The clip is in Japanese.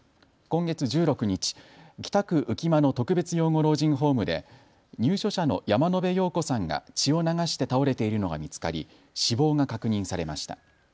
今月１６日北区浮間の特別養護老人ホームで入所者の山野邉陽子さんが血を流して倒れているのが見つかり死亡が確認されました。